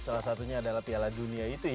salah satunya adalah piala dunia itu ya